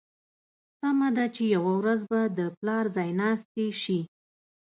تمه ده چې یوه ورځ به د پلار ځایناستې شي.